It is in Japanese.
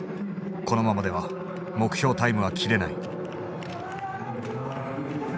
このままでは目標タイムは切れない。